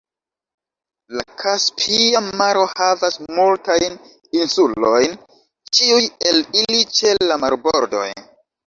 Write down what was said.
La Kaspia Maro havas multajn insulojn, ĉiuj el ili ĉe la marbordoj.